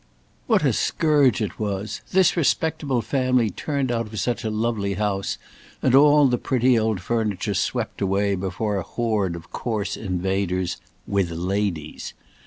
What a scourge it was! This respectable family turned out of such a lovely house, and all the pretty old furniture swept away before a horde of coarse invaders "with ladies."